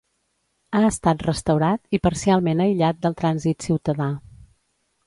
Ha estat restaurat i parcialment aïllat del trànsit ciutadà.